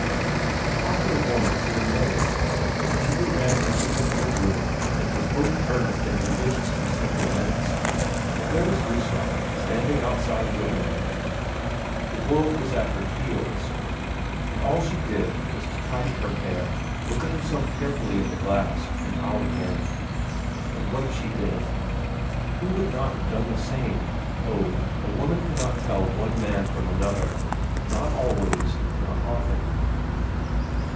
And how could a woman say no? Inger ran into her little room and was both earnest and religious for several minutes; but there was Gustaf standing waiting outside, the world was at her heels, and all she did was to tidy her hair, look at herself carefully in the glass, and out again. And what if she did? Who would not have done the same? Oh, a woman cannot tell one man from another; not always not often.